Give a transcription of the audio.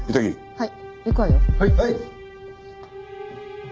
はい。